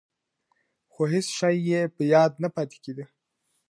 خو هېڅ شی یې په یاد نه پاتې کېده.